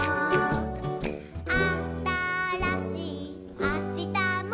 「あたらしいあしたも」